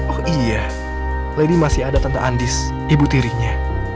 oh iya lady masih ada tentang andis ibu tirinya